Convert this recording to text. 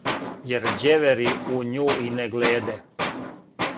Јер ђевери у њу и не гледе.